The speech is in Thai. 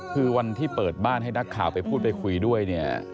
คือวันที่เปิดบ้านให้นักข่าวไปพูดไปคุยด้วยเนี่ย